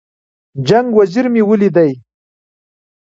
جنګ وزیر مې ولیدی.